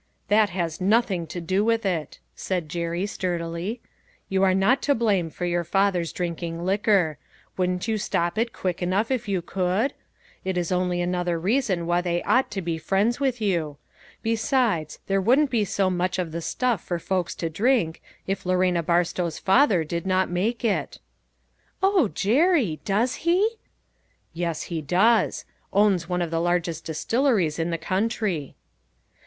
" That has nothing to do with it," said Jerry sturdily. " You are not to blame for your fath er's drinking liquor. Wouldn't you stop it quick enough if you could ? It is only another reason why they ought to be friends to you. Be sides, there wouldn't be so much of the stuff for folks to drink, if Lorena Barstow's father did not make it." 'O Jerry! does he?" A BARGAIN AND A PROMISE. 177 " Yes, he does. Owns one of the largest dis tilleries in the country."